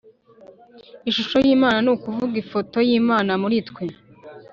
ishusho y’imana ni ukuvuga ifoto y’imana muri twe